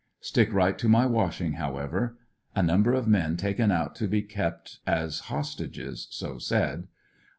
Stick right to my washing however. A number of men taken out to be kept as hostages — so said.